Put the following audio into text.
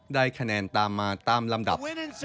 ได้คะแนนตามมาตามลำดับ